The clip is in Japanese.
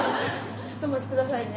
ちょっとお待ち下さいね。